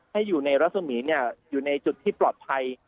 ให้อยู่ในรัศมีร์อยู่ในจุดที่ปลอดภัย